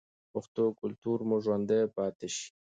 پښتو کلتور مو ژوندی پاتې شي.